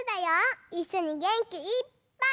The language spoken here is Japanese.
いっしょにげんきいっぱい。